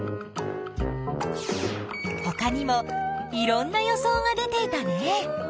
ほかにもいろんな予想が出ていたね。